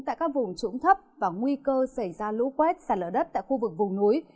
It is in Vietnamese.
tại các vùng trũng thấp và nguy cơ xảy ra lũ quét xả lở đất tại khu vực vùng núi